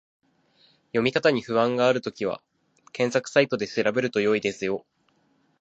読み方に不安があるときは、検索サイトで調べると良いですよ